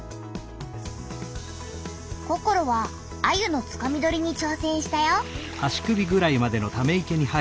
ココロはアユのつかみ取りにちょうせんしたよ。